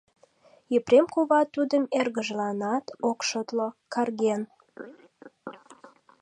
Епрем кува тудым эргыжланат ок шотло, карген.